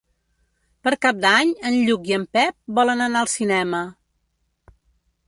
Per Cap d'Any en Lluc i en Pep volen anar al cinema.